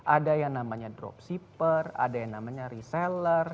ada yang namanya dropshipper ada yang namanya reseller